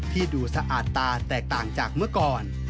ดูสะอาดตาแตกต่างจากเมื่อก่อน